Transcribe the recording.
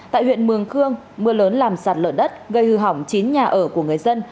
tại huyện mường khương mưa lớn làm sạt lở đất gây hư hỏng chín nhà ở của người dân